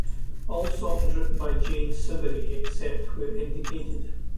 All songs written by Jane Siberry, except where indicated.